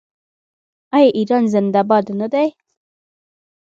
آیا ایران زنده باد نه دی؟